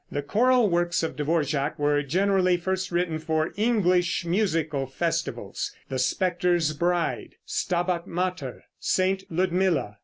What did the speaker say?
The choral works of Dvorak were generally first written for English musical festivals. "The Specter's Bride," "Stabat Mater," "Saint Ludmilla."